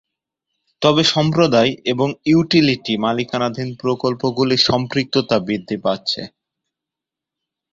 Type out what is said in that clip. তবে সম্প্রদায় এবং ইউটিলিটি-মালিকানাধীন প্রকল্পগুলির সম্পৃক্ততা বৃদ্ধি পাচ্ছে।